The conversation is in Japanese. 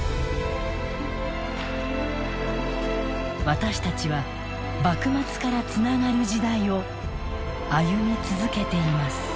私たちは幕末からつながる時代を歩み続けています。